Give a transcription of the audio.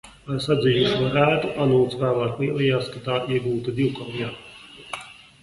Ar sadzijušo rētu Anūts vēlāk lielījās, ka tā iegūta divkaujā.